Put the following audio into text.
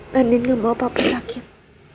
danin gak mau bapak sakit